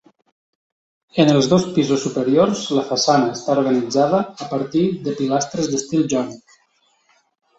En els dos pisos superiors la façana està organitzada a partir de pilastres d'estil jònic.